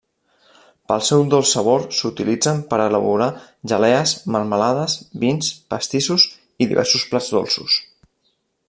Pel seu dolç sabor s'utilitzen per elaborar gelees, melmelades, vins, pastissos i diversos plats dolços.